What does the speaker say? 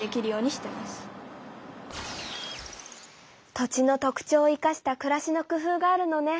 土地の特徴を生かしたくらしの工夫があるのね。